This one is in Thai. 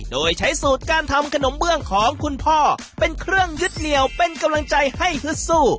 โดยใช้สูตรการทำขนมเบื้องของคุณพ่อเป็นเครื่องยึดเหนียวเป็นกำลังใจให้ฮึดสู้